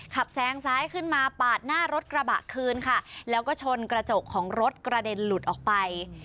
แซงซ้ายขึ้นมาปาดหน้ารถกระบะคืนค่ะแล้วก็ชนกระจกของรถกระเด็นหลุดออกไป